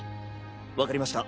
わかりました！